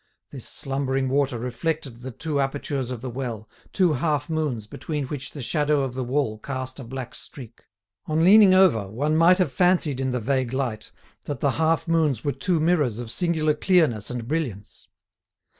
This slumbering water reflected the two apertures of the well, two half moons between which the shadow of the wall cast a black streak. On leaning over, one might have fancied in the vague light that the half moons were two mirrors of singular clearness and brilliance.